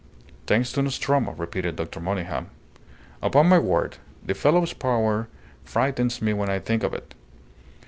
"Thanks to Nostromo," repeated Dr. Monygham. "Upon my word, the fellow's power frightens me when I think of it.